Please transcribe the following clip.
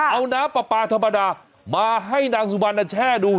เอาน้ำปลาปลาธรรมดามาให้นางสุบันแช่ดู